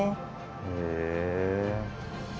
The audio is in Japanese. へえ。